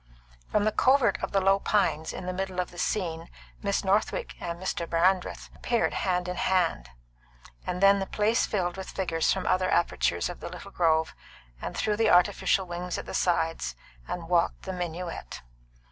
From the covert of the low pines in the middle of the scene Miss Northwick and Mr. Brandreth appeared hand in hand, and then the place filled with figures from other apertures of the little grove and through the artificial wings at the sides, and walked the minuet.